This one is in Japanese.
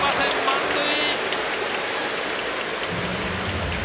満塁。